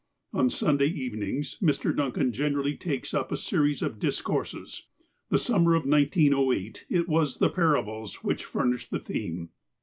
On Sunday evenings Mr. Duncan generally takes up a series of discourses. The summer of 1908 it was the para bles which furnished the theme.